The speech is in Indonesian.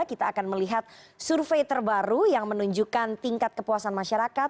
kita akan melihat survei terbaru yang menunjukkan tingkat kepuasan masyarakat